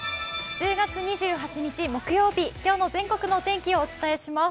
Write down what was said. １０月２８日木曜日、今日の全国の天気をお伝えします。